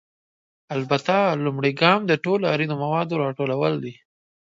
البته، لومړی ګام د ټولو اړینو موادو راټولول دي.